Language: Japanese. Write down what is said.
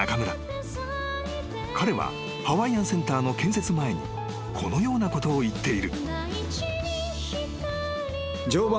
［彼はハワイアンセンターの建設前にこのようなことを言っている］